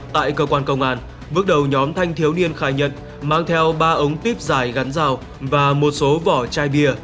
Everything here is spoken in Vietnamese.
tại cơ quan công an bước đầu nhóm thanh thiếu niên khai nhận mang theo ba ống tuyếp dài gắn rào và một số vỏ chai bia